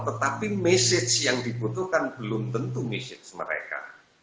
tetapi message yang dibutuhkan belum tentu message mereka